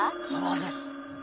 そうです。